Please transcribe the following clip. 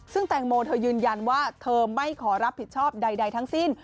ซึ่งแตงโมเธอยืนยันว่าเธอไม่ขอรับผิดชอบใดทั้งสิ้น